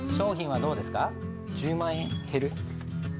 １０万円減る。